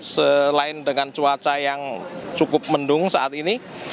selain dengan cuaca yang cukup mendung saat ini